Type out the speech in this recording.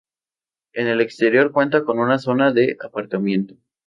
En el exterior cuenta con una zona de aparcamiento.